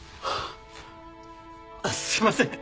あっすいません。